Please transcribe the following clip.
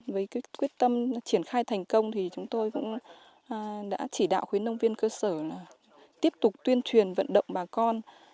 với quyết tâm triển khai thành công thì chúng tôi cũng đã chỉ đạo khuyến nông viên cơ sở tiếp tục tuyên truyền vận động bà con